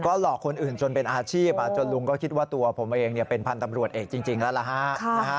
ก็หลอกคนอื่นจนเป็นอาชีพจนลุงก็คิดว่าตัวผมเองเป็นพันธ์ตำรวจเอกจริงแล้วล่ะฮะ